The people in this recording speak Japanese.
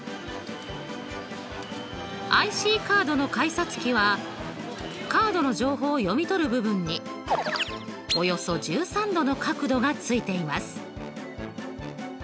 ＩＣカードの改札機はカードの情報を読み取る部分におよそ１３°の角度がついています。